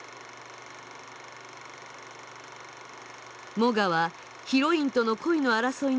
モガはヒロインとの恋の争いに敗れ